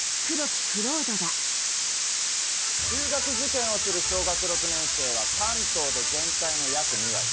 中学受験をする小学６年生は関東で全体の約２割。